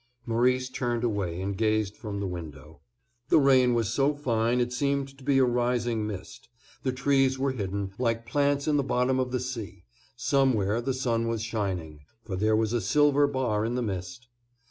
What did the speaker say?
Maurice turned away and gazed from the window. The rain was so fine it seemed to be a rising mist; the trees were hidden, like plants in the bottom of the sea; somewhere the sun was shining, for there was a silver bar in the mist.